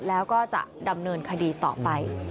แล้วก็จะดำเนินคดีต่อไป